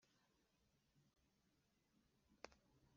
abantu benshi bafite ikibazo cyo kubura ibyo kurya.